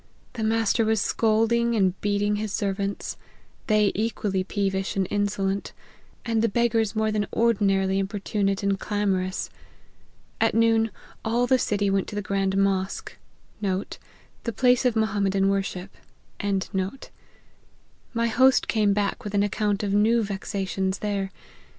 The master was scolding and beating his servants ; they equally peevish and insolent ; and the beggars more than ordinarily importunate and clamorous. At noon, all the city went to the grand mosque.* My host came back with an account of new vexations there.